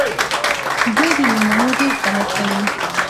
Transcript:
دوی د میلمنو ډېر قدر کوي.